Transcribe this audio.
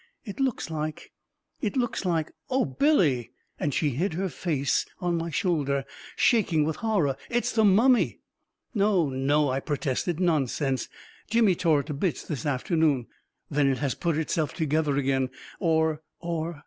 It looks like — it looks like — oh, Billy I " and she hid her face on my shoulder, shaking with horror. " It's the mummy I " 44 No, no," I protested. " Nonsense I Jimmy tore it to bits this afternoon !" "Then it has put itself together again — or, or